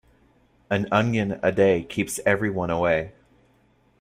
An onion a day keeps everyone away.